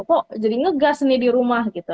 kok jadi ngegas nih di rumah gitu